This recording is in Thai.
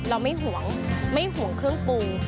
เราไม่ห่วงเครื่องปูง